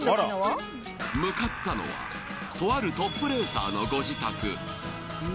向かったのは、とあるトップレーサーのご自宅。